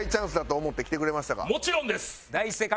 もちろんです。